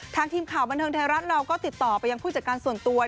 ทีมข่าวบันเทิงไทยรัฐเราก็ติดต่อไปยังผู้จัดการส่วนตัว